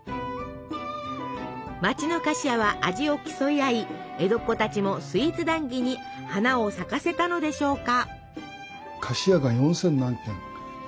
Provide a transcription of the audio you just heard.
町の菓子屋は味を競い合い江戸っ子たちもスイーツ談義に花を咲かせたのでしょうか。